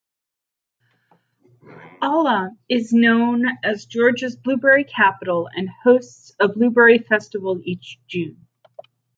Alma is known as Georgia's blueberry capital, and hosts a Blueberry Festival each June.